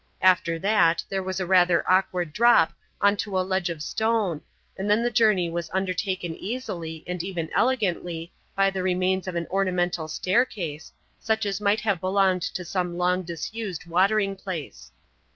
After that, there was a rather awkward drop on to a ledge of stone and then the journey was undertaken easily and even elegantly by the remains of an ornamental staircase, such as might have belonged to some long disused watering place.